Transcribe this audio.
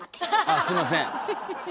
あすいません。